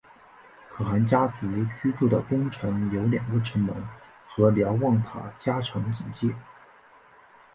可汗家族居住的宫城有两个城门和瞭望塔加强警戒。